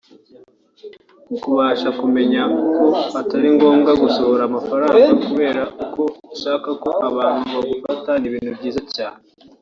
Kubasha kumenya ko atari ngombwa gusohora amafaranga kubera uko ushaka ko abantu bagufata ni ibintu by’ingenzi cyane